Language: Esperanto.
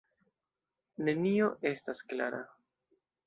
Nenio estas klara.